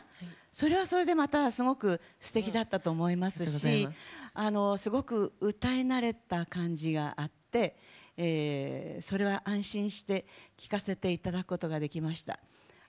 それはそれですごくすてきだったと思いますしすごく歌い慣れた感じがあってそれは安心して聴かせていただくことができました。